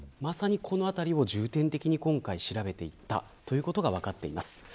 この辺りを重点的に調べていたということが分かっています。